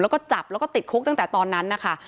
แล้วก็จับแล้วก็ติดคุกตั้งแต่ตอนนั้นนะคะ